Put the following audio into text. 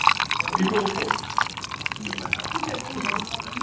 Joseph Rurindo na Jenerali Eugene Nkubit, kutoka kambi ya kijeshi ya Kibungo nchini Rwanda